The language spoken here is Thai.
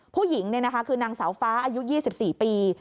ผู้หญิงคือนางสาวฟ้าอายุ๒๔ปี